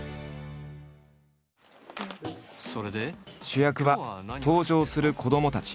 主役は登場する子どもたち。